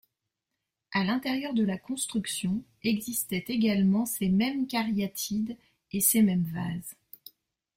À l'intérieur de la construction, existaient également ces mêmes caryatides et ces mêmes vases.